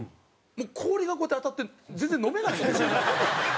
もう氷がこうやって当たって全然飲めないんですよね。